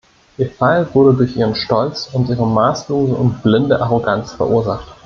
Ihr Fall wurde durch ihren Stolz und ihre maßlose und blinde Arroganz verursacht.